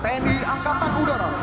tni angkatan udara